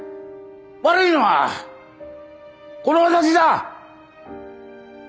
悪いのはこの私だ。